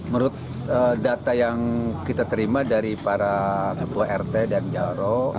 menurut data yang kita terima dari para ketua rt dan jaro